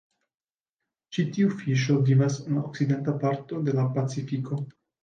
Ĉi tiu fiŝo vivas en la okcidenta parto de la Pacifiko.